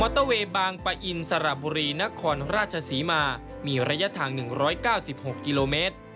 เตอร์เวย์บางปะอินสระบุรีนครราชศรีมามีระยะทาง๑๙๖กิโลเมตร